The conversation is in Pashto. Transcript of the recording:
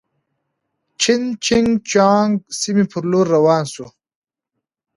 جین چنګ جیانګ سیمې پر لور روان شوو.